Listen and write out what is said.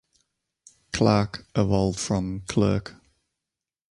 "Clark" evolved from "clerk".